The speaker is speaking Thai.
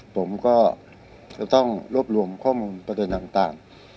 ผมก็จะต้องรวบรวมข้อมูลประเด็นต่าง